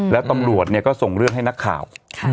แล้วตำรวจก็ส่งเรื่องให้นักข่าว